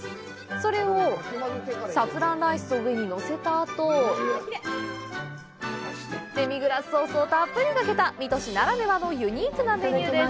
それをサフランライスの上にのせたあと、デミグラスソースをたっぷりかけた水戸市ならではのユニークなメニューです。